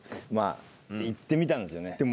いってみたんですよね。